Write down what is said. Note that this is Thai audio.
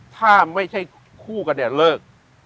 ถ้าไม่ใช่คู่กันเนี่ยเลิก